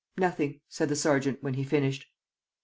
"Nothing," said the sergeant, when he finished.